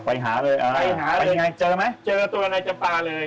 ไปหาเลยไปหาเลยยังไงเจอไหมเจอตัวอะไรจะปลาเลย